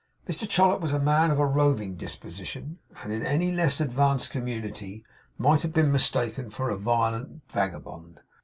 Mr Chollop was a man of a roving disposition; and, in any less advanced community, might have been mistaken for a violent vagabond.